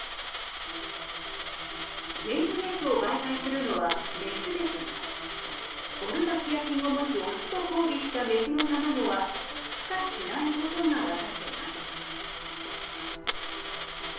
デング熱を媒介するのは雌ですがボルバキア菌を持つ雄と交尾した雌の卵はふ化しないことが分かっています。